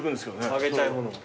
揚げたいものを。